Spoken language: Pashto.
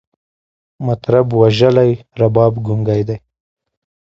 مطرب وژلی، رباب ګونګی دی